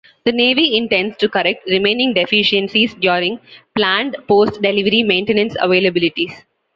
The Navy intends to correct remaining deficiencies during planned post-delivery maintenance availabilities.